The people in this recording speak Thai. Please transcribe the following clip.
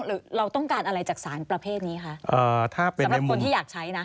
เราต้องการอะไรจากสารประเภทนี้คะสำหรับคนที่อยากใช้นะ